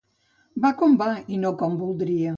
Va com va i no com voldria.